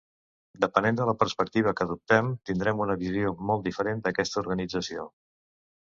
Depenent de la perspectiva que adoptem, tindrem una visió molt diferent d'aquesta organització.